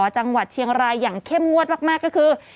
จังหวัดเชียงรายอย่างเข้มงวดมากก็คือ